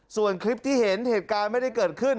ส่วนคลิปที่เห็นเหตุการณ์ไม่ได้เกิดขึ้น